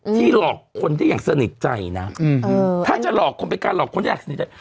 หลอกคนที่อย่างสนิทใจนะถ้าจะหลอกคนเป็นการหลอกคนที่อยากสนิทใจ